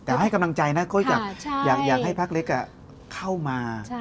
แต่ให้กำลังใจนะก็อยากให้พักเล็กเข้ามา